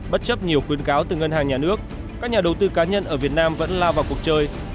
bất chấp nhiều khuyến cáo từ ngân hàng nhà nước các nhà đầu tư cá nhân ở việt nam vẫn lao vào cuộc chơi